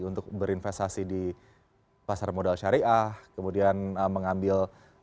untuk berinvestasi di pasar modal syariah kemudian mengambil